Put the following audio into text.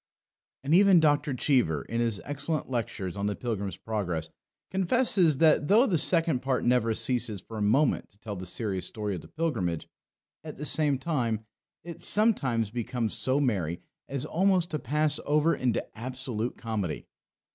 And even Dr. Cheever, in his excellent lectures on the Pilgrim's Progress, confesses that though the Second Part never ceases for a moment to tell the serious story of the Pilgrimage, at the same time, it sometimes becomes so merry as almost to pass over into absolute comedy.